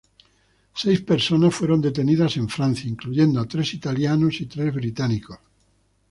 Seis personas fueron detenidas en Francia, incluyendo a tres italianos y tres británicos.